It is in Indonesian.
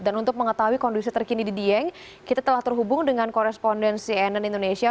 dan untuk mengetahui kondisi terkini di dieng kita telah terhubung dengan korespondensi nn indonesia